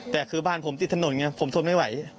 แต่คือบ้านผมติดถนนไงผมทนไม่ไหว